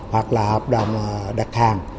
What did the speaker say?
hoặc là hợp đồng đặt hàng